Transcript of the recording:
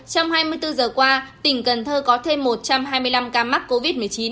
trong hai mươi bốn giờ qua tỉnh cần thơ có thêm một trăm hai mươi năm ca mắc covid một mươi chín